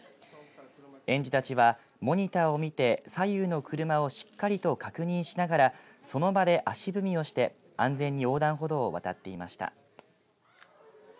園児たちはモニターを見て左右の車をしっかりと確認しながらその場で足踏みをして安全に横断歩道を渡っていました。